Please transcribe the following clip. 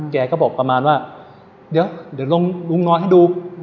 แกก็บอกประมาณว่าเดี๋ยวลงลุงนอนให้ดู